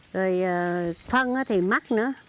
rồi phân thì mắc nữa